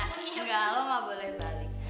enggak lo gak boleh balik